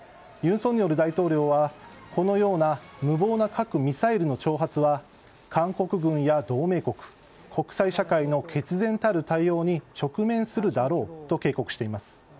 尹錫悦大統領はこのような無謀な核・ミサイルの挑発は韓国軍や同盟国国際社会の決然たる対応に直面するだろうと警告しています。